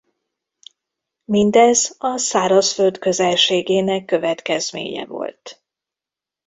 Mindez a szárazföld közelségének következménye volt.